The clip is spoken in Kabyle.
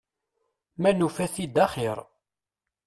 Ma nufa-t-id axiṛ.